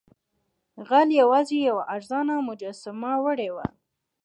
غل یوازې یوه ارزانه مجسمه وړې وه.